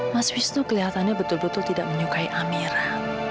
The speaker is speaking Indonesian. mas wisnu kelihatannya betul betul tidak menyukai amera